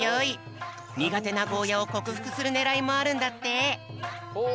にがてなゴーヤをこくふくするねらいもあるんだって。